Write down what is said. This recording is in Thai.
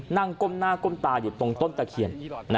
ก้มหน้าก้มตาอยู่ตรงต้นตะเคียน